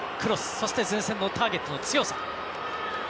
そして、前線のターゲットの強さ。